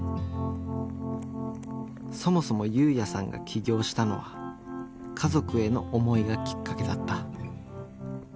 そもそも侑弥さんが起業したのは家族への思いがきっかけだった。